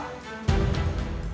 kita akan mencari bundaku